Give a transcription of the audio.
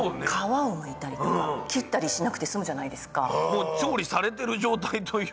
もう調理されてる状態というか。